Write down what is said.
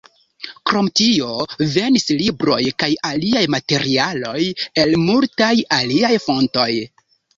Krom tio, venis libroj kaj aliaj materialoj el multaj aliaj fontoj.